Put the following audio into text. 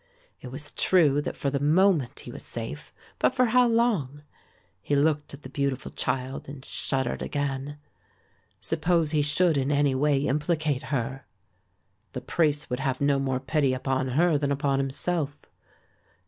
It was true that for the moment he was safe, but for how long? He looked at the beautiful child and shuddered again. Suppose he should in any way implicate her. The priests would have no more pity upon her than upon himself.